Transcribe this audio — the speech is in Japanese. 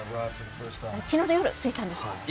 昨日の夜、着いたんです。